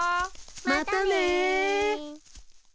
またね。